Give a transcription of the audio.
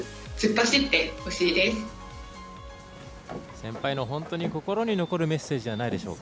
先輩の本当に心に残るメッセージじゃないでしょうか。